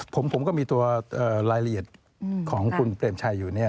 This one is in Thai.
ผมก็มีตัวรายละเอียดของคุณเปรมชัยอยู่เนี่ย